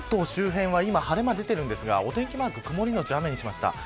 関東周辺は、今晴れ間が出ていますが、お天気マークは曇りのち雨にしました。